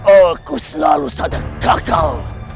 aku selalu saja gagal